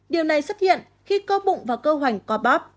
điều này xuất hiện khi cơ bụng và cơ hoành có bóp